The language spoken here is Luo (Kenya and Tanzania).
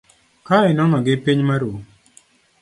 Ka inono gi piny maru.